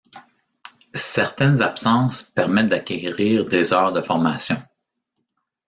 Certaines absences permettent d’acquérir des heures de formation.